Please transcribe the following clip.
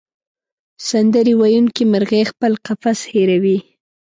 سندرې ویونکې مرغۍ خپل قفس هېروي.